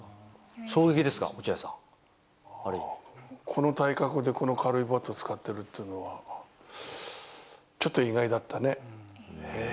この体格でこの軽いバット使ってるっていうのは、ちょっと意外だったね。